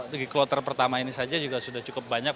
di kloter pertama ini saja juga sudah cukup banyak